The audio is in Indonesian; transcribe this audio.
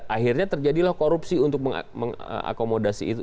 akhirnya terjadilah korupsi untuk mengakomodasi itu